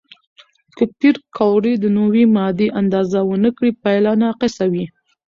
که پېیر کوري د نوې ماده اندازه ونه کړي، پایله ناقصه وي.